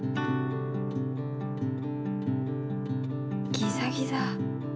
ギザギザ。